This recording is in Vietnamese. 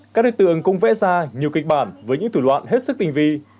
các đối tượng cũng vẽ ra nhiều kịch bản với những thủ đoạn hết sức tình vi